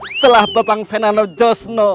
setelah babang fernando